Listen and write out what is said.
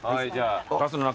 バスの中。